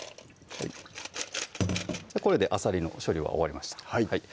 これであさりの処理は終わりました